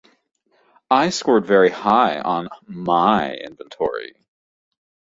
I scored very high on my inventory.